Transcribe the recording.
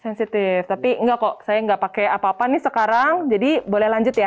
sensitif tapi enggak kok saya enggak pakai apa apa nih sekarang jadi boleh lanjut ya